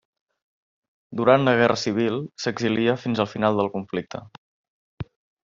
Durant la guerra civil s'exilia fins al final del conflicte.